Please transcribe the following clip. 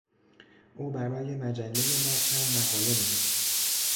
او برای مجلهی ما چند مقاله نوشت.